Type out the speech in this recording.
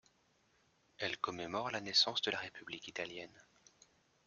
Elle commémore la naissance de la république italienne.